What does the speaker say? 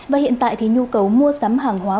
và hiện tại thì nhu cầu mua sắm hàng hóa